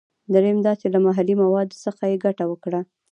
دریم دا چې له محلي موادو څخه یې ګټه وکړه.